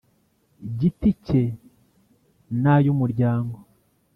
giti cye n ay umuryango